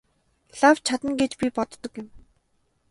Лав чадна гэж би боддог юм.